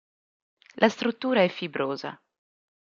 La struttura è fibrosa.